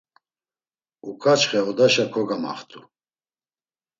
Uǩaçxe odaşa kogamaxt̆u.